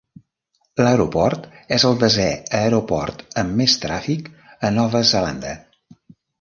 L'aeroport és el desè aeroport amb més tràfic a Nova Zelanda.